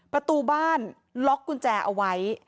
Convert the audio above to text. ประตูบ้านล็อกกุญแจเอาไว้